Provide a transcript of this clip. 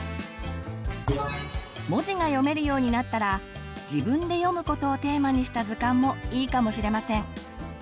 文字が読めるようになったら「自分で読むこと」をテーマにした図鑑もいいかもしれません。